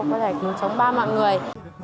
có thể chống ba mạng người